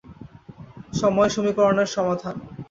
সময় সমীকরণের সমাধান।